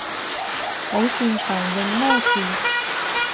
你擅長認咩字？